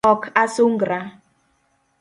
Ok asungra